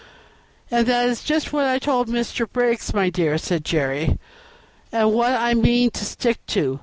"And that is just what I told Mr. Briggs, my dear," said Jerry, "and what I mean to stick to.